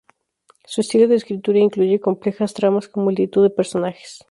Su estilo de escritura incluye complejas tramas con multitud de personajes.